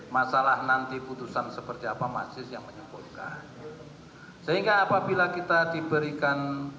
masalah nanti putusan seperti apa mas jis yang menyebutkan sehingga apabila kita diberikan